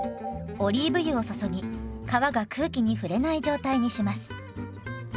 オリーブ油を注ぎ皮が空気に触れない状態にします。